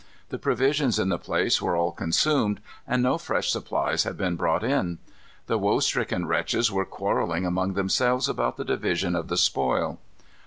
The provisions in the place were all consumed, and no fresh supplies had been brought in. The woe stricken wretches were quarrelling among themselves about the division of the spoil.